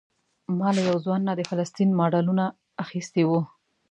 ما له یو ځوان نه د فلسطین ماډلونه اخیستي وو.